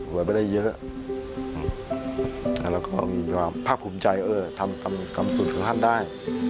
ไว้ไปได้เยอะแล้วก็มีความภาคภูมิใจเออทำต่ำสุดกับท่านได้